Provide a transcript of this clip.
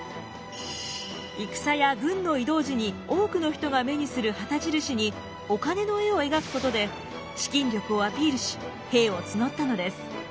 戦や軍の移動時に多くの人が目にする旗印にお金の絵を描くことで資金力をアピールし兵を募ったのです。